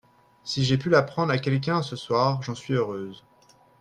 Si j’ai pu l’apprendre à quelqu’un ce soir, j’en suis heureuse.